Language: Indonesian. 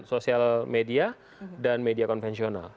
sosial media dan media konvensional